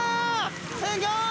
すギョい！